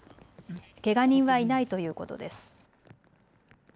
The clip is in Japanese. けが人はいないということです。